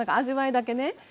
味わいだけね。